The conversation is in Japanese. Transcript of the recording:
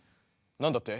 何だって！？